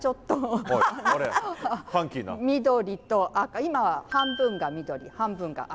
今は半分が緑半分が赤。